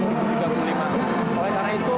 oleh karena itu